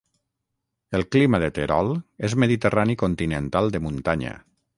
El clima de Terol és mediterrani continental de muntanya.